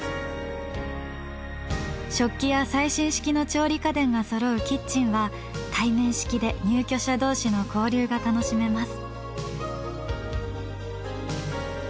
食器や最新式の調理家電がそろうキッチンは対面式で入居者同士の交流が楽しめます。